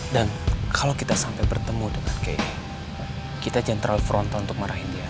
dan kalau kita sampai bertemu dengan kay kita jantral front untuk marahin dia